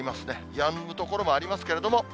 やむ所もありますけれども。